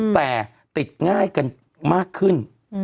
แต่ติดง่ายกันมากขึ้น